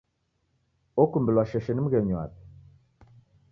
Okumbilwa sheshe ni mghenyu wape.